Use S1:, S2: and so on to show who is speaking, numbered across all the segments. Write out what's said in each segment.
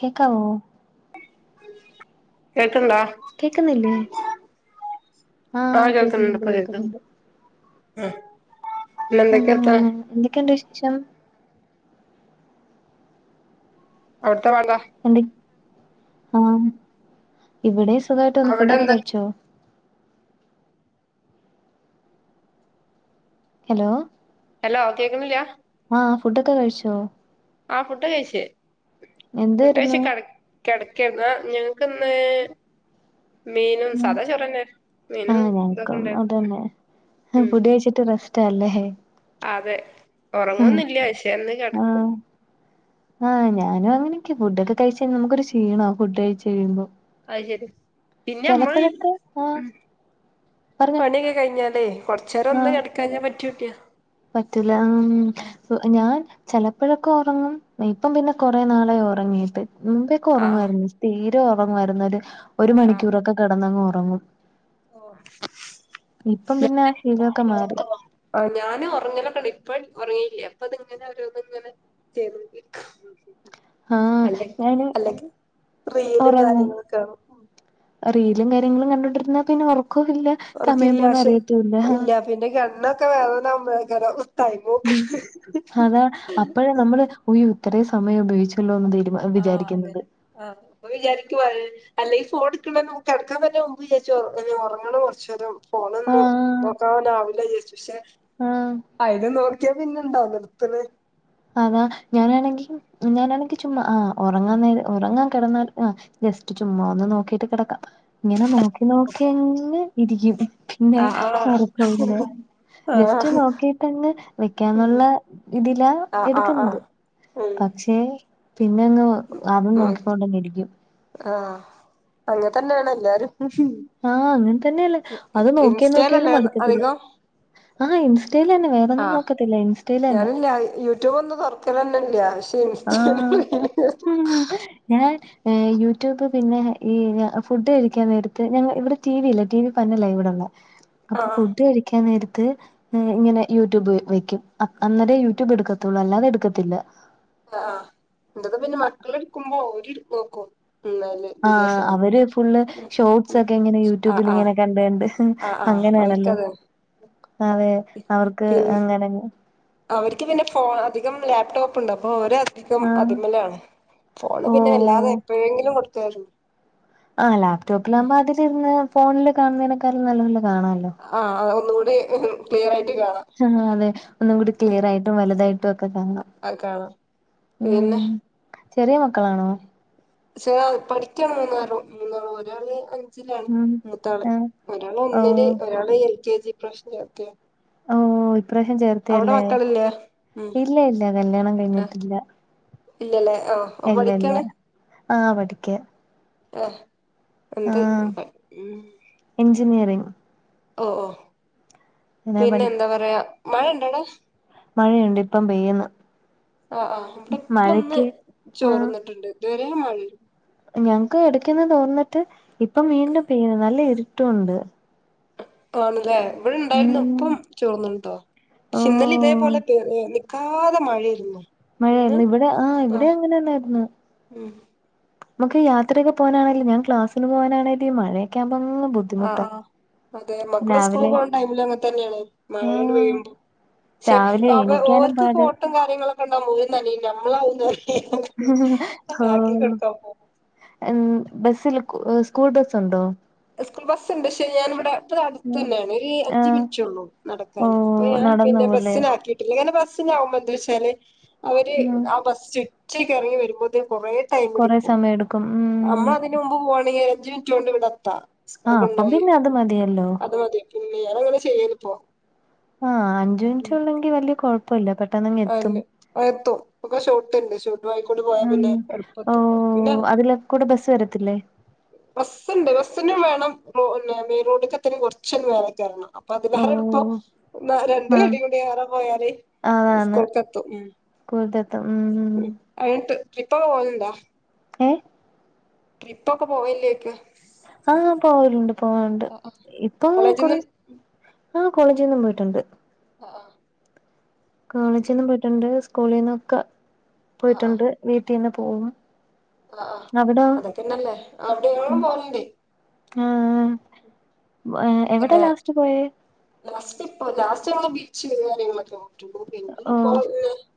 S1: കേക്കാവോ
S2: കേൾക്ക്ണ്ട
S1: കേക്ക്ന്നില്ലേ ആഹ്
S2: കേൾക്കുന്നുണ്ട്
S1: കേക്കുന്നുണ്ട്
S2: ഇപ്പൊ കേൾക്ക്ണ്ട്
S1: കേക്ക്ന്നുണ്ട്
S2: പിന്നെ എന്തൊക്കെയാ
S1: ആഹ്
S2: വർത്താനം
S1: എന്തക്കെയ്ണ്ട് വിശേഷം
S2: അവ്ടത്തബാങ്ക
S1: എന്ത്‌ ആഹ് ഇവിടെ സുഖായിട്ട് പോന്നു
S2: അവിടെ
S1: ഫുഡൊക്കെ
S2: എന്താ
S1: കഴിച്ചോ ഹലോ
S2: ഹലോ കേൾക്കുന്നില്ല
S1: ആഹ് ഫുഡൊക്കെ കഴിച്ചോ
S2: ആഹ് ഫുഡ് കഴിച്ച് ഫുഡയിച്ചു
S1: എന്തായിരുന്നു
S2: കെട കെടക്കേർന്ന് ഞങ്ങക്ക്ന്ന് മീനും
S1: ഉം
S2: സാദാചോറന്നേ മീനും
S1: ആഹ്
S2: ഇതൊക്കെ
S1: ഞങ്ങക്കും
S2: ഉണ്ടായിരുന്നു ഉം ഉം
S1: റ്റു റസ്റ്റാല്ലേ
S2: അതെ ഒറങ്ങൊന്നില്ല ശേന്ന് കെടക്കും
S1: ആഹ് ആഹ് ഞാനും അങ്ങനൊക്കെ ഫുഡൊക്കെ കഴിച്ചഴിഞ്ഞ നമ്മക്കൊരു ക്ഷീണ ഫുഡ് കഴിച്ച് കഴിയുമ്പോ
S2: അയ് ശരി പിന്നെ അമ്മള്
S1: ചെലപ്പഴൊക്കെ ആഹ്
S2: ഉം
S1: പറഞ്ഞോ
S2: പണിയൊക്കെ കഴിഞ്ഞാലെ കൊറച്ചേരൊന്ന് കെടക്കാഞ്ഞപറ്റൂല്ല്യ
S1: പറ്റൂലാ ഉം സു ഞാൻ ചെലപ്പോഴൊക്കെ ഉറങ്ങും ഇപ്പം പിന്നെ കൊറെനാളായി ഉറങ്ങീയിട്ട് മുമ്പേ ക്കെ
S2: ആഹ്
S1: ഒറങ്ങുവായിരുന്നു സ്ഥിരം ഉറങ്ങുവായിരുന്നു ഒരു ഒരു
S2: ആഹ്
S1: മണിക്കൂറൊക്കെ കിടന്നങ്ങ് ഉറങ്ങും
S2: ഓഹ്
S1: ഇപ്പം പിന്നെ ആഹ് ശീലമൊക്കെ മാറി
S2: ആഹ് ഞാനും ഉറങ്ങലൊക്കെണ്ട് ഇപ്പഴ് ഒറങ്ങീയില്ല അപ്പ അത്ങ്ങനെ ഒരു ഇത് ഇങ്ങനെ ചെയ്തൊണ്ടിരിക
S1: ആഹ്
S2: അല്ലെ
S1: ഞാന്
S2: അല്ലെങ്കി റീലും
S1: ഒറങ്ങും
S2: കാര്യങ്ങളും കാണും
S1: റീലും കാര്യങ്ങളും കണ്ടോണ്ടിരുന്ന തന്നെ ഒറക്കൊയില്ല
S2: ഉറക്കില്ല
S1: സമയംപോന്നെ
S2: പക്ഷെ
S1: അറിയത്തൂല്ല ആഹ്
S2: ഇല്ല പിന്നെ കണ്ണൊക്കെ വേദന ആവുമ്പേളേക്കാരം
S1: ഉം
S2: ടൈമോക്ക്ണ്
S1: അതാ അപ്പഴാ നമ്മള് ഒയ്യോ ഇത്തറേ സമയം ഉപയോഗിച്ചല്ലോന്ന് തീരുമാ
S2: ആഹ്
S1: വിചാരിക്കുന്നത്
S2: അങ്ങനെ ആഹ് അപ്പൊ വിചാരിക്കു വൾ അല്ലേയ് ഫോട്ക്കണ നോക്കി കെട്ക്ക തന്നെ മുമ്പ് വിചാരിച്ചോ ഒറങ്ങണം കൊറച്ചേരം പോണന്ന്
S1: ആഹ്
S2: നോക്കൻ ആവുലവിചാരിച് ഷേ
S1: ആഹ്
S2: അയിനൊന്നു ക്ക്യപിന്നെണ്ടാവും നിർത്ത്ണേ
S1: അതാ ഞാനാണെങ്കി ഞാനാണെങ്കി ചുമ് ആ ഉറങ്ങാനേര ഉറങ്ങാൻ കിടന്നാൽ ആ ജസ്റ്റ് ചുമ്മാ ഒന്ന് നോക്കിട്ട് കിടക്കാം ഇങ്ങനെ നോക്കി നോക്കിങ്ങ് ഇരിക്കും പിന്നെ
S2: ആഹ് ആഹ്
S1: ഉറക്കല്ല ജസ്റ്റ്
S2: ആഹ്
S1: നോക്കി് പെണ്
S2: ഉം
S1: വെക്കാന്നുള്ള ഇതിലാ
S2: ആഹ് ആഹ്
S1: എടുക്കുന്നത്
S2: ആഹ് ഉം
S1: പക്ഷേ പിന്നെ ഒന്ന് അതും
S2: ഉം
S1: നോക്കിക്കൊണ്ടന്നിരിക്കും
S2: ആഹ് അങ്ങെ തന്നെയാണ് എല്ലാരും
S1: ആഹ് അങ്ങനെ തന്നെയല്ലേ അത് നോക്കിയ നോക്കിയാലും
S2: ഇൻസ്റ്റേലല്ലേ
S1: മടുക്കത്തില്ല
S2: അധികം
S1: ആഹ് ഇൻസ്റ്റയിലന്നെ വേറെൊന്നും
S2: ആഹ്
S1: നോക്കത്തില്ല ഇൻസ്റ്റയിലന്നെ
S2: ഞാനില്ല യൂട്യൂബ് ഒന്നും തുറക്കലന്നെല്ല പക്ഷെ ഇൻസ്റ്റ
S1: ആ
S2: [unintelligible]
S1: ഉം ഞാൻ ഉം യൂട്യൂബ് പിന്നെ ഈ ഫുഡ് കഴിക്കാൻ നേരത്ത് ഞങ്ങ ഇവിടെ ടി വി ഇല്ല ടി വി പന്നലാവടെള്ള അപ്പൊ
S2: ആഹ്
S1: ഫുഡ് കഴിക്കാൻ നേരത്ത് ഉം ഇങ്ങനെ യൂട്യൂബ് വെക്കും അന്നേ യൂട്യൂബ് എടുക്കത്തുള്ളൂ അല്ലാതെ എടുക്കത്തില്ല
S2: ആ എന്തക്കാ പിന്നെ മക്കൾ എടുക്കുമ്പോ അവര് നോക്കും ഉല്ല
S1: ആഹ് അവര് ഫുള് ഷോർട്സ്
S2: ഉം
S1: ഒക്കെ ഇങ്ങനെ
S2: ആഹ്
S1: യൂട്യൂബിൽ
S2: ആഹ്
S1: ഇങ്ങനെ കണ്ട് ണ്ട്
S2: ആഹ് ആഹ് ഓർക്കത്
S1: അതെ അവർക്ക് അങ്ങനെ
S2: അവർക്ക് പിന്നെ ഫോ അധികം ലാപ്ടോപ്പ് ഉണ്ട് അപ്പോ അധികം
S1: ആഹ്
S2: അതിമലാണ് പോണ് പിന്നെ വല്ലാതെ
S1: ഓഹ്
S2: എപ്പോഴെങ്കിലും കൊടുത്തര
S1: ആഹ് ലാപ്ടോപ്പിലാവകുമ്പോ അതിലിരുന്ന് ഫോണില് കാണുന്നതിനനക്കാ നല്ല പോലെ കാണല്ലോ
S2: ആഹ് അ ഒന്നുകൂടി ക്ലിയറ ആയിട്ട് കാണാം
S1: ആഹ് അതെ ഒന്നും കൂടി ക്ലിയർ ആയിട്ടും വലതായിട്ടും ഒക്കെ കാണാം
S2: ആഹ് കാണാം
S1: ഉം
S2: പിന്നെ
S1: ചെറിയ മക്കളാണോ
S2: ശ പഠിക്കൻ മൂന്നാറോ മൂന്നാളോ ഒരാള് അഞ്ചിലാണ്
S1: ഉം
S2: മൂത്താള്
S1: ആഹ്
S2: ഒരാൾ
S1: ഓ
S2: ഒന്നില് ഒരാൾ എൽ കെ ജി പ്രശ്നംത്തിയ
S1: ഓഹ് ഓഹ് ഇപ്രാവശ്യം ചേർത്തയല്ലേ
S2: മക്കളില്ലേ ഉം
S1: ഇല്ല ഇല്ല കല്യാണം
S2: ആഹ്
S1: കഴിഞ്ഞിട്ടില്ല
S2: ഇല്ലല്ലേ ആഹ്
S1: ഇല്ല ഇല്ല
S2: പടിക്കാണ്
S1: ആഹ് പഠക്ക്
S2: എന്ത്
S1: ഇഞ്ജിനിയറിങ്്
S2: ഓ ഓഹ്
S1: ഞാൻ
S2: പിന്നെ
S1: പഠി
S2: എന്താ പറയാ മഴ ഇണ്ടോടാ
S1: മഴയുണ്ട് ഇപ്പം പെയ്യുന്നു
S2: ആഹ് ആഹ് ഇവിടെ ഇപ്പൊ ഒന്ന്
S1: മഴക്ക് ആഹ്
S2: ചോർന്നിട്ടുണ്ട് ഇതുവരെ മായെന്ന്
S1: ഞങ്ങക്ക് എടുക്കുന്നു തോന്നിട്ട് ഇപ്പ വീണ്ടും പെയ്യന്ന് നല്ല ഇരുട്ടും ഉണ്ട്
S2: [unintelligible]
S1: ഉം ഓഹ്
S2: ക്കാതെ മഴയിരുന്നു
S1: മഴയായിരുന്നു ഇവിടെ ആഹ് ഇവിടെ അങ്ങനെന്നായിരുന്നു
S2: ഉം
S1: നമക്ക് യാത്രയക്കെ പോകാനാണങ്ക ഞാൻ ക്ലാസി പോവാണെങ്കും മഴയക്കെ ആുമ്പ
S2: ആഹ് ആഹ് അതെ മക്കള് സ്കൂൾ പോകണ ടൈമില് അങ്ങെ തന്നെയാണ് മഴൽ
S1: ആഹ്
S2: പെയ്യുമ്പോ
S1: രാവിലെ
S2: െപ്പ
S1: എണീക്കാനും
S2: ഓർക്ക്
S1: പാട്
S2: കോട്ടും കാര്യങ്ങളൊക്കെ ഉണ്ടാവും ഓര് നനീല നമ്മളകുന്ന പോ
S1: [inaudible] ഉം ബസ്സിൽ സ്കൂൾ ബസ് ഉണ്ടോ
S2: സ്കൂൾ ബസ് ഉണ്ട് പക്ഷെ ഞാനിവിടെ ഇപ്പ
S1: ഉം
S2: അടുത്തന്നെയാണ് ഒരു അഞ്ചു
S1: ആഹ്
S2: മിനിറ്റള്ളൂ
S1: ഓ
S2: നടക്കാന് അപ്പൊ ഞാൻ
S1: നടന്നു
S2: പിന്നെ
S1: പോവല്ലേ
S2: ബസ്സിനാക്കിട്ട് ങ്ങനെ ബസ്സിനാകുമ്പോ എന്താ വെച്ചാല് അവര്
S1: ഉം
S2: ആ ബസ് ചുറ്റക്ക് ഇറങ്ങി വരുമ്പോ കൊറേ
S1: കൊറെ
S2: ടൈമിടിക്കും
S1: സമയം എടുക്കും
S2: അമ്മ
S1: ഉം
S2: അതിന് മുമ്പ് പോവാണെങ്കിൽ അഞ്ചു മിനിറ്റ് കൊണ്ട്വിടത്താം
S1: ആഹ്
S2: സ്റ്റോക്ക്
S1: അപ്പം
S2: ഉണ്ടായി
S1: പിന്നെ അത് മതിയല്ലോ
S2: അത് മതി പിന്നെ ഞൻ അങ്ങനെ ചെയ്യലിപ്പോ
S1: ആഹ് അഞ്ച് മിനിറ്റ്
S2: ഉം
S1: ഉള്ളെങ്കിൽ വല്ല്യ കുഴപ്പം ഇല്ല പെട്ടെന്നങ്ങ് എത്തും
S2: ആഹ് എത്തും ഒക്കെ ഷോട്ടുണ്ട് ഷോ ട്ട് വഴിയിൽ കൂടെ പോയാൽ
S1: ഉം
S2: പിന്നെ
S1: ഓ
S2: എളുപ്പമെത്തും പിന്നെ
S1: അതിലെ കൂടെ ബസ് വരത്തില്ലേ
S2: ബസ് ഉണ്ട് ബസ്സിനും വേണം പിന്നെ മെയിൻ റോഡേക്കെത്തണേ കുറച്ചങ്ങ് ഇറങ്ങി ചെല്ലണം അപ്പൊ അത്
S1: ഓ
S2: വേറെ ഇപ്പൊ രണ്ട്
S1: ആഹ്
S2: കടയും കൂടി വേറെ പോയാല്
S1: അതാണ്
S2: സ്കൂൾക്കെത്തും ഉം
S1: സ്കൂളിലെത്തും ഉം
S2: വൈകിട്ട് ട്രിപ്പൊക്കെ പോകലുണ്ടോ
S1: ഏ
S2: ട്രിപ്പൊക്കെ പോവലില്ലേ ചോദിക്കുവാ
S1: ആഹ് പോവലുണ്ട് പോവലുണ്ട്
S2: ആഹ് ആഹ്
S1: ഇപ്പൊ കുറ
S2: കോളേജിന്ന്
S1: ആഹ് കോളേജീന്നും പോയിട്ടുണ്ട്
S2: ആഹ്
S1: കോളേജീന്നും പോയിട്ടുണ്ട് സ്കൂളീന്നൊക്കെ
S2: ആഹ് ആഹ്
S1: പോയിട്ടുണ്ട് വീട്ടീന്നും പോകും
S2: ആഹ് അതൊക്കെന്നല്ലേ [unintelligible] പോകലുണ്ട്
S1: ആ എവിടാ
S2: പിന്നെ
S1: ലാസ്റ്റ് പോയേ
S2: ലാസ്റ്റ് ഇപ്പോ ലാസ്റ്റ് നമ്മള് ബീച്ച്
S1: ഓഹ്
S2: [unintelligible]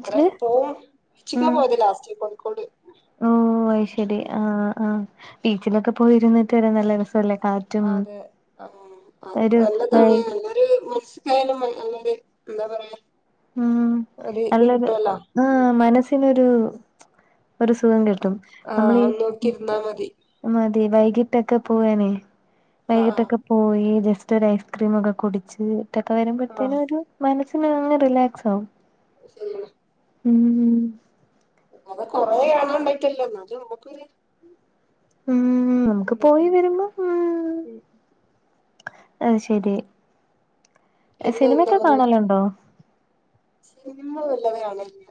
S2: കൊറേ പോവും ബീച്ചിലാ പോയത് ലാസ്റ്റ് കോഴിക്കോട്
S1: ഓ അത് ശരി
S2: ഉം
S1: ആഹ് ആഹ് ബീച്ചിലൊക്കെ പോയിരുന്നിട്ട് വരാൻ നല്ല രസമല്ലേ കാ
S2: അതെ ആ
S1: വൈ
S2: നല്ലതാണ് നല്ലൊരു [unintelligible] [unintelligible] എന്താ പറയാ
S1: ഉം
S2: ഒരു ഇത്
S1: നല്ലൊരു
S2: കിട്ടുവല്ലോ ഉം
S1: ആഹ് മനസ്സിനൊരു
S2: ഉം
S1: ഒരു സുഖം കിട്ടും
S2: ആഹ്
S1: നമ്മളീ
S2: അത് നോക്കിരുന്നാ മതി
S1: മതി വൈകിട്ടൊക്കെ പോവാനെ
S2: ആഹ്
S1: വൈകിട്ടൊക്കെ
S2: ആഹ്
S1: പോയി ജസ്റ്റ് ഒരു ഐസ്ക്രീമൊക്കെ കുടിച്ചിട്ടൊക്കെ
S2: ആഹ്
S1: വരുമ്പോഴത്തേനും ഒരു മനസ്സിന് അങ്ങ് റിലാക്സ് ആവും
S2: ശരിയാ
S1: ഉം ഉം
S2: അത് കൊറേ കാണാൻ പറ്റില്ലല്ലോ എന്നാലും നമുക്കൊരു
S1: ഉം നമുക്ക്
S2: ഉണ്ട്
S1: പോയി
S2: ഉം
S1: വരുമ്പോ ഉം അത് ശരി
S2: പിന്നെ എന്താ
S1: സിനിമയൊക്കെ
S2: പറയാ
S1: കാണലുണ്ടോ
S2: സിനിമ ഒന്നും കാണലില്ല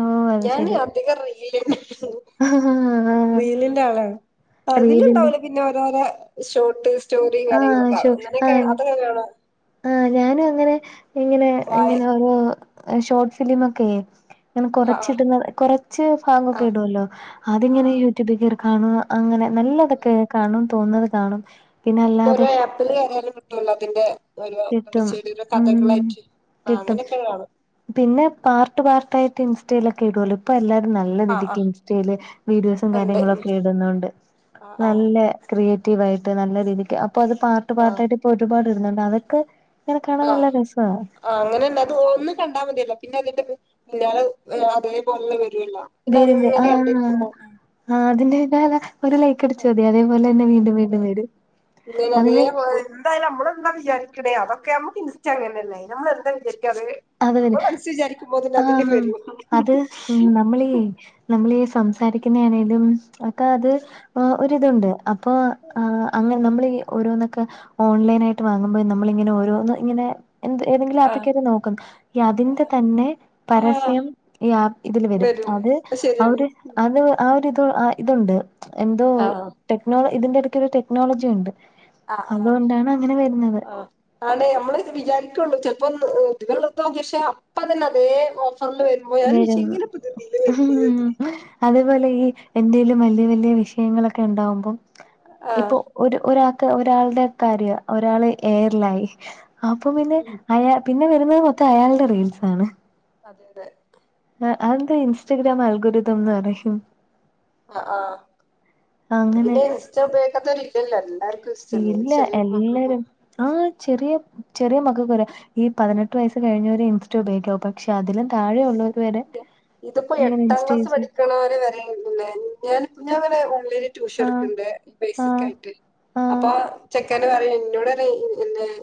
S1: ഓ അത്
S2: ഞാന്
S1: ശരി
S2: അധികം റീല് കാണൂള്ളൂ
S1: ആഹ്
S2: റീലിന്റെ ആളാണ്
S1: റീലില്
S2: അതിലുണ്ടാവൂല്ലോ പിന്നെ ഓരോരോ ഷോർട്ട് സ്റ്റോറിയും
S1: ആഹ്
S2: കാര്യങ്ങളൊക്കെ അങ്ങനെയൊക്കെ അത് നല്ലതാണോ
S1: ആ ഞാനും അങ്ങനെ ഇങ്ങനെ
S2: വായ
S1: ഇങ്ങനെ ഓരോ ഷോർട്ട് ഫിലിമ് ഒക്കെയേ ഇങ്ങനെ
S2: ആഹ്
S1: കൊറച്ചിടുന്ന കുറച്ച് ഭാഗവൊക്കെ
S2: ആഹ്
S1: ഇടുമല്ലോ
S2: ആഹ്
S1: അതിങ്ങനെ
S2: ആഹ്
S1: യൂട്യൂബിൽ കയറി കാണുക അങ്ങനെ
S2: ആഹ്
S1: നല്ലതൊക്കെ കാണും തോന്നുന്നത് കാണും പിന്നെ
S2: ഇപ്പൊ
S1: അല്ലാതെ
S2: ഒരു ആപ്പില് കയറിയാലും കിട്ടുവല്ലോ അതിന്റെ ഓരോ
S1: കിട്ടും
S2: ചെറിയൊരു
S1: ഉം
S2: കഥകളായിട്ട് ആ
S1: കിട്ടും
S2: അങ്ങനെയൊക്കെ ഉള്ളതാണ്
S1: പിന്നെ പാർട്ട് പാർട്ടായിട്ട് ഇൻസ്റ്റയിലൊക്കെ ഇടുവല്ലോ ഇപ്പൊ എല്ലാരും നല്ല
S2: ആ ആ
S1: രീതിക്ക് ഇൻസ്റ്റയില് വീഡിയോസും
S2: ഉണ്ട് ഉം.
S1: കാര്യങ്ങളൊക്കെ ഇടുന്നുണ്ട്
S2: ആ ആ
S1: നല്ലേ ക്രിയേറ്റീവ് ആയിട്ട് നല്ല രീതിക്ക് അപ്പൊ അത് പാർട്ട്
S2: ആ
S1: പാർട്ടായിട്ട് ഇപ്പൊ ഒരുപാട് ഇടുന്നുണ്ട് അതൊക്കെ അങ്ങനെ കാണാൻ നല്ല രസവാ
S2: ആഹ് അങ്ങനെയുണ്ട് അത് ഒന്ന് കണ്ടാ മതിയല്ലോ പിന്നെ അതിന്റെ പിന്നാലെ അതേപോലുള്ളേ വരുവല്ലോ
S1: വരും വരും ആഹ് ആഹ് അതിന്റെ താഴെ ഒരു ലൈക്ക്
S2: ആ,
S1: അടിച്ച മതി അതേപോലെ തന്നെ വീണ്ടും
S2: അതെ
S1: വീണ്ടും വരും
S2: ഇങ്ങനെ
S1: അങ്ങനെ
S2: അതേപോലെ എന്തായാലും നമ്മളെന്താ വിചാരിക്കണേ അതൊക്കെ നമുക്ക് ഇൻസ്റ്റാ അങ്ങനെയല്ലേ നമ്മള് എന്താ വിചാരിക്കുക അത്
S1: അത്
S2: അപ്പൊ
S1: തന്നെ
S2: മനസ്സിൽ വിചാരിക്കുമ്പോ തന്നെ അതില്
S1: ആഹ്
S2: വരും
S1: അത് ഉം നമ്മളീ നമ്മളീ സംസാരിക്കുന്നാണേലും ഒക്കെ അത് ഒരിതുണ്ട് അപ്പൊ അങ്ങനെ നമ്മള് ഈ ഓരോന്നൊക്കെ ഓൺലൈനായിട്ട് വാങ്ങുമ്പോ നമ്മളിങ്ങനെ ഓരോ ഇങ്ങനെ എന്ത് ഏതെങ്കിലും
S2: ആ
S1: ആപ്പി കേറി നോ ക്ക്യാ
S2: ആ
S1: അതിന്റെത്തന്നെ
S2: ആ,
S1: പരസ്യം ഈ ഇതില് വരും അത് അവര് അത് ആഹ് ഒരിത് ഇതോണ്ട് എന്തോ
S2: ആ
S1: ടെക്നോള ഇതിന്റെ എടക്കൊരു ടെക്നോളജിയൊണ്ട് അതുകൊണ്ടാണ് അങ്ങനെ വരുന്നത്.
S2: ആണേ നമ്മള് വിചാരിക്കുള്ളൂ ചെലപ്പോ [unintelligible] അപ്പം തന്നെ അതേ ഓഫറില് വരും.
S1: ഉം
S2: [unintelligible]
S1: അതേപോലെ ഈ എന്തെലും വല്യ വല്യ വിഷയങ്ങളൊക്കെ ഇണ്ടാവുമ്പോ ഇപ്പോ
S2: ആഹ്
S1: ഒരു ഒരാക്ക് ഒരാൾടെ കാര്യാ ഒരാള് ഏയറിലായി അപ്പം പിന്നെ അയാ പിന്നെ വരുന്നത് മൊത്തം അയാൾടെ റീൽസാണ്.
S2: അതെ അതെ
S1: ആഹ് അതെന്തോ ഇൻസ്റ്റഗ്രാം അൽഗോരിതം ന്ന് പറയും.
S2: ആഹ് ആഹ് ഇപ്പോ
S1: അങ്ങനെ
S2: പിന്നെ ഇൻസ്റ്റ ഉപയോഗിക്കാത്തോര് ഇല്ലല്ല എല്ലാർക്കും ഇൻസ്റ്റലേ ചെറിയ മക്കക്കും
S1: ആഹ് ചെറിയ ചെറിയ മക്കക്ക് വരെ ഈ പതിനെട്ട് വയസ് കഴിഞ്ഞവരെ ഇൻസ്റ്റ ഉപയോഗിക്കാവു പക്ഷേ അതിലും താഴെ ഒള്ളവ വരെ
S2: ഇതിപ്പോ
S1: ഇങ്ങനെ
S2: എട്ടാം
S1: ഇൻസ്റ്റ യൂസ് ചെയ്യുന്നു.
S2: [unintelligible] ട്യൂഷൻ
S1: ആ
S2: എടുക്കണ്ട്
S1: ആ
S2: ബേസിക്ക് ആയിട്ട്
S1: ആ
S2: അപ്പോ ചെ ഇക്കനെ പറയും എന്നോട് പറയും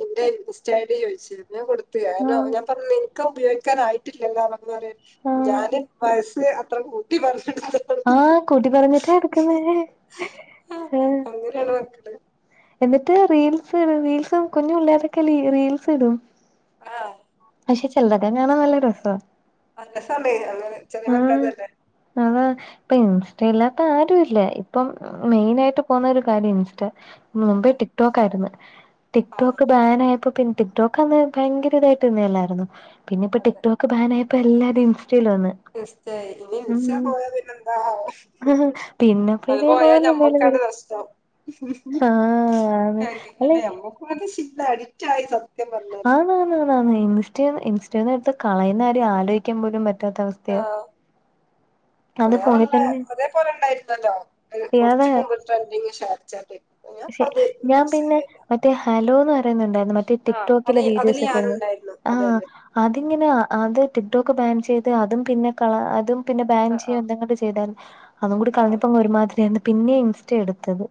S2: എന്റെ ഇൻസ്റ്റാ ഐ ഡി ചോദിച്ചിനി ഞാൻ കൊടുത്തില്ല, കാരണം ഞാൻ പറഞ്ഞ് നിക്ക ഉപയോഗിക്കാനായിട്ടില്ലല്ലോന്ന് അപ്പോ പറയും
S1: ആ ആ
S2: ഞാൻ വയസ്സ് അത്ര കൂട്ടി പറഞ്ഞു കൊടുത്തു.
S1: ആഹ് കൂട്ടി പറഞ്ഞിട്ടാ എടുക്കുന്നേ ആഹ്
S2: [unintelligible]
S1: എന്നിട്ട് റീൽസിടും റീൽസും കുഞ്ഞു പിള്ളേരെക്കെ റീൽസിടും
S2: ആഹ്
S1: പക്ഷേ ചെലതക്കെ കാണാൻ നല്ല രസവാ
S2: [unintelligible] സമയം അങ്ങനെ ചെറിയ മക്കടെതല്ലേ
S1: അതാ ഇപ്പോ ഇൻസ്റ്റ ഇല്ലാത്ത ആരും ഇല്ല ഇപ്പം
S2: ഇല്ലില്ല
S1: മെയിനായിട്ടും പോന്നൊരു കാര്യാ ഇൻസ്റ്റ മുമ്പേ
S2: അതെ
S1: ടിക് ടോക്ക് ആരുന്ന് ടിക്ക്
S2: ആഹ്
S1: ടോക് ബാൻ ആയ പ്പോ പിന്നെ ടിക് ടോക്കന്ന് ഭയങ്കര ഇതായിട്ട് നിന്നല്ലായിരുന്നോ പിന്നെ ഇപ്പോ
S2: അതെ
S1: ടിക് ടോക്ക് ബാനയ ഇപ്പോ എല്ലാരും ഇൻസ്റ്റയിൽ വന്ന്
S2: ഇൻസ്റ്റായി ഇനി ഇൻസ്റ്റ
S1: ഉം
S2: പോയ പിന്നെ എന്താവോ
S1: പിന്നെപ്പോ
S2: അത് പോയാ
S1: ഇതേപോലെ എന്തേലും
S2: ഞമ്മക്കാണ്
S1: വരും
S2: നഷ്ടം.
S1: ആഹ് അതെ
S2: നമ്മക്കില്ലേ
S1: അല്ലെ
S2: നമ്മക്കുമത് ശീലായി അഡിക്റ്റായി സ
S1: ആണ് ആണ് ആണ് ഇൻസ്റ്റ ഇൻസ്റ്റന്ന് എടുത്ത് കളയുന്ന കാര്യം ആലോചിക്കാൻ പോലും പറ്റാത്ത അവസ്ഥയാ. അത് ഫോണിൽ
S2: വേറള്ള
S1: തന്നെ
S2: അതേപോലെ ണ്ടായിരുന്നല്ലോ കൊറച്ച് മുമ്പ് ട്രൻഡിങ് ഷെയർ ചാറ്റ്. ഞാൻ ഇപ്പ
S1: പഷേ
S2: അത്
S1: ഞാൻ
S2: യൂസ്
S1: പിന്നെ
S2: ചെയ്യലില്ല
S1: മറ്റേ ഹാലോന്ന് പറയുന്നേ ഒണ്ടാരുന്നു മറ്റേ ടിക്
S2: ആഹ് അത്
S1: ടോക്കിലെ
S2: അതില്
S1: വീഡിയോസൊക്കെ ഇടുന്നേ
S2: ഞാനുണ്ടായിരുന്നു അതെ അതെ
S1: അതിങ്ങനെ അത് ടിക് ടോക്ക് ബാൻ ചെയ്ത് അതും പിന്നെ കള അതും പിന്നെ ബാൻ
S2: ആഹ്
S1: ചെയ്യും എന്തങ്ങാണ്ട് ചെയ്താരുന്നു അതും കൂടി
S2: ആഹ്
S1: കളഞ്ഞപ്പോ ഒരുമാതിരിയാന്ന് പിന്നെ ഇൻസ്റ്റ എടുത്തത്.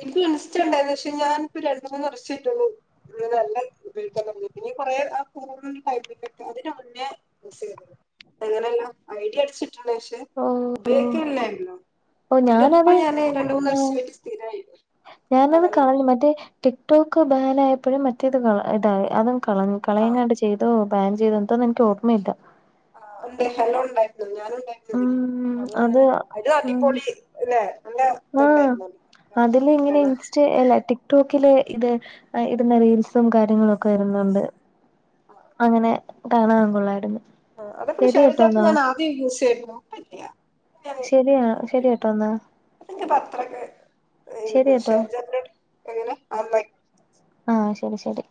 S2: എനിക്കും ഇൻസ്റ്റ ഒണ്ടാരുന്നു. പഷേ ഞാൻ ഇപ്പോ രണ്ട് മൂന്ന് വർഷായിട്ടുള്ളു ഒരു നല്ല ഉപയോഗിക്കാൻ തൊടങ്ങി പിന്നെ കൊറെ ആഹ് കൊറോണെടെ ടൈമിലേക്കാ അതിന് മുന്നേ [unintelligible] അങ്ങനെല്ല ഐ ഡി അടിച്ചിട്ട്ണ് പഷേ
S1: ഓ
S2: ഉപയോഗിക്കല്ലാരുന്നു
S1: ഓ
S2: ന്നട്ട് ഇപ്പോ
S1: ഞാനത്
S2: ഞാന് രണ്ട് മൂന്ന്
S1: ആഹ്
S2: വർഷായിട്ട് സ്ഥിരായി
S1: ഞാനത്
S2: അതന്നെ
S1: കാണ് മറ്റേ ടിക് ടോക്ക് ബാൻ ആയപ്പോഴും മറ്റ റ്റേത് കള ഇതായി അതും കളഞ്ഞു
S2: ആഹ്
S1: കളയങ്ങാണ്ട് ചെയ്തോ ബാൻ ചെയ്തോ എന്തോന്ന് എനിക്ക് ഓർമ്മയില്ല.
S2: ആഹ് ഒണ്ടേ ഹലോ ഒണ്ടാരുന്നു ഞാനും
S1: ഉം
S2: ഉണ്ടായിരുന്നതില് അതും
S1: അത്
S2: അങ്ങനെ അതും
S1: ഉം
S2: അടിപൊളി [unintelligible]
S1: ആഹ് അതില് ഇങ്ങനെ
S2: ആണ്
S1: ഇൻസ്റ്റ അല്ല ടിക് ടോക്കില് ഇത് ഇടുന്ന റീൽ സും കാര്യങ്ങളുവോക്കെ വരുന്നോണ്ട്
S2: ആ,
S1: അങ്ങനെ കാണാൻ കൊള്ളാരുന്നു.
S2: ആഹ് അതപ്പോ ഷെയർ ചാറ്റ് ഞാൻ ആദ്യം യൂസ് ചെയ്തിരുന്നു ഇപ്പോ ഇല്ല.
S1: ശരിയാ ശരി
S2: പിന്നെ
S1: കേട്ടോ എന്നാ
S2: ഇൻക്ക് പത്രക്കെ
S1: ശരി കേട്ടോ
S2: ജന്റെ എങ്ങനെ ആ..
S1: ആഹ ശരി ശരി..